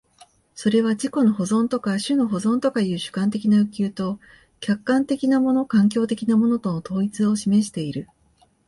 それは自己の保存とか種の保存とかという主観的な欲求と客観的なもの環境的なものとの統一を示している。